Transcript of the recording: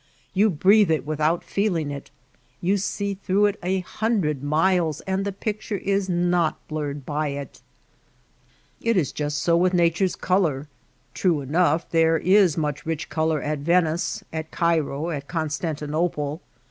You breathe it without feel ing it, you see through it a hundred miles and the picture is not blurred by it. It is just so with Nature^s color. True enough, there is much rich color at Venice, at Cairo, at Constantinople.